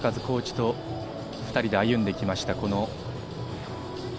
コーチと２人で歩んできました。